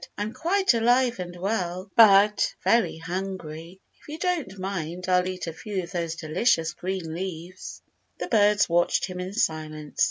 "I'm quite alive and well, but very hungry. If you don't mind I'll eat a few of these delicious green leaves." The birds watched him in silence.